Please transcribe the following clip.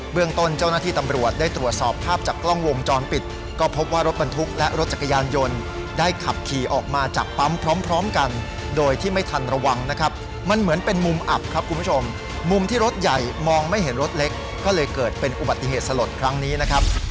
เรื่องต้นเจ้าหน้าที่ตำรวจได้ตรวจสอบภาพจากกล้องวงจรปิดก็พบว่ารถบรรทุกและรถจักรยานยนต์ได้ขับขี่ออกมาจากปั๊มพร้อมกันโดยที่ไม่ทันระวังนะครับมันเหมือนเป็นมุมอับครับคุณผู้ชมมุมที่รถใหญ่มองไม่เห็นรถเล็กก็เลยเกิดเป็นอุบัติเหตุสลดครั้งนี้นะครับ